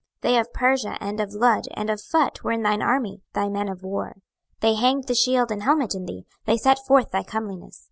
26:027:010 They of Persia and of Lud and of Phut were in thine army, thy men of war: they hanged the shield and helmet in thee; they set forth thy comeliness.